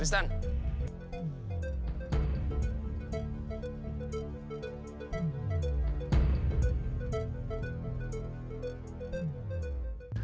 reva sama siapa tuh